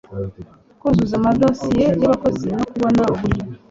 kuzuza amadosiye y abakozi no kubona uburyo